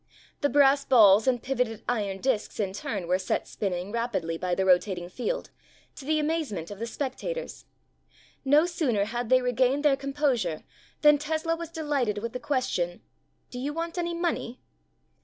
The brass balls and pivoted iron discs in turn were set spin ning rapidly by the rotating field, to the amazement of the spectators. No sooner had they regained their composure than Tesla was delighted with the question : "Do you want any money